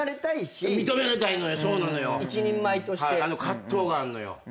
葛藤があんのよ。